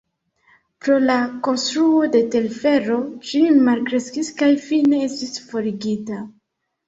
Pro la konstruo de telfero ĝi malkreskis kaj fine estis forigita.